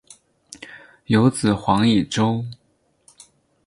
有子黄以周。